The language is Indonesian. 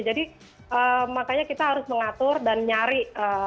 jadi makanya kita harus mengatur dan nyari